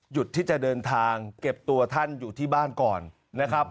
ที่จะเดินทางเก็บตัวท่านอยู่ที่บ้านก่อนนะครับ